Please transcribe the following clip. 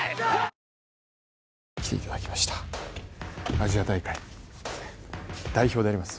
アジア大会、代表であります